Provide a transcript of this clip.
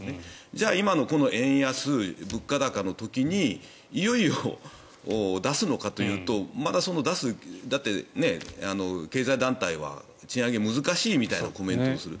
じゃあ、今の円安、物価高の時にいよいよ出すのかというとまだ出すだって経済団体は賃上げは難しいみたいなコメントをする。